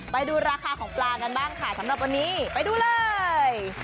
ไปดูราคาของปลากันบ้างค่ะสำหรับวันนี้ไปดูเลย